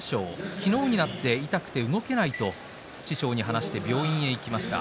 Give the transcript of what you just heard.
昨日になって痛くて動けないと師匠に話して病院に行きました。